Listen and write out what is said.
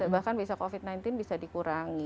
bahkan bisa covid sembilan belas bisa dikurangi